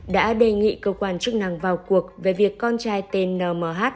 đã đề nghị cơ quan chức năng vào cuộc về việc con trai tên n m h